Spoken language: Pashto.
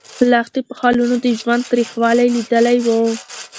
لښتې په خالونو د ژوند تریخوالی لیدلی و.